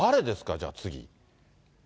じゃあ次。